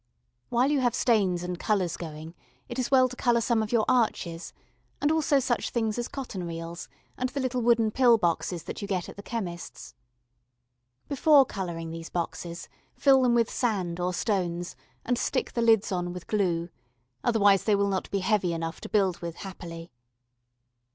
While you have stains and colours going it is well to colour some of your arches, and also such things as cotton reels, and the little wooden pill boxes that you get at the chemist's. Before colouring these boxes fill them with sand or stones and stick the lids on with glue. Otherwise they will not be heavy enough to build with happily.